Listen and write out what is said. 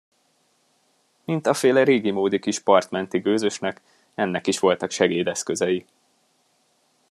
Mint afféle régimódi kis partmenti gőzösnek, ennek is voltak segédeszközei.